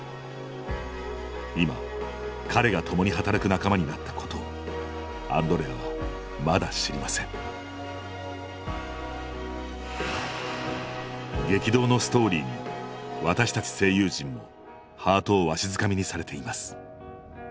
今彼が共に働く仲間になったことをアンドレアはまだ知りません激動のストーリーに私たち声優陣もハートをわしづかみにされています！